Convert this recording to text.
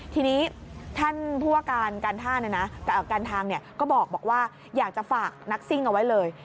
ทีนี้ท่านผู้ว่าการการท่าการทางก็บอกว่าอยากจะฝากนักซิ่งเอาไว้เลย